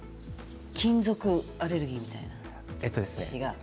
金属アレルギーみたいな？